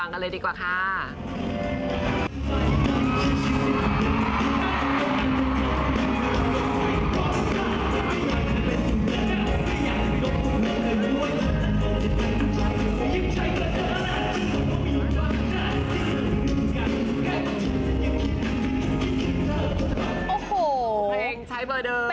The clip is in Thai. ต้องใช้คำนี้ค่ะต้องใช้คำนี้ค่ะต้องใช้คำนี้ค่ะ